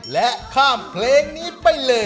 และข้ามเพลงนี้ไปเลย